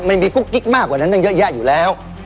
มันมีกุ๊กกิ๊กมากกว่านั้นตั้งเยอะแยะอยู่แล้ว